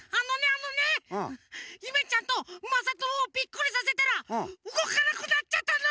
あのねゆめちゃんとまさともをビックリさせたらうごかなくなっちゃったの！